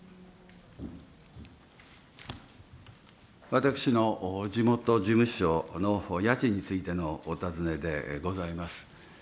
私の地元事務所の家賃についてのお尋ねでございます。